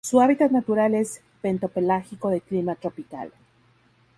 Su hábitat natural es bentopelágico de clima tropical.